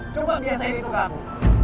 coba biasain itu ke aku